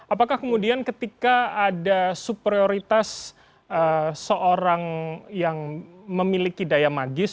apakah kemudian ketika ada superioritas seorang yang memiliki daya magis